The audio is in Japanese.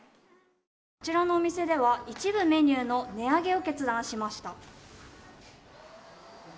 こちらのお店では一部メニューの値上げを決断しました。